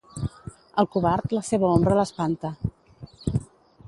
Al covard, la seva ombra l'espanta.